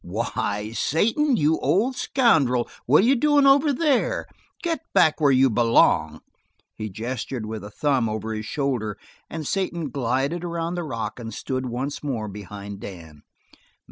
"Why, Satan, you old scoundrel, what are you doin' over there? Get back where you belong?" He gestured with a thumb over his shoulder and Satan glided around the rock and stood once more behind Dan.